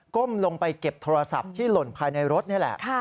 ้มลงไปเก็บโทรศัพท์ที่หล่นภายในรถนี่แหละ